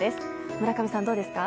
村上さん、どうですか？